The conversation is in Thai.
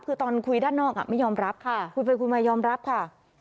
คือตอนคุยด้านนอกไม่ยอมรับคุยไปคุยมายอมรับค่ะ